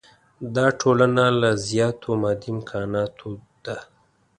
دا ټولنه له زیاتو مادي امکاناتو ده.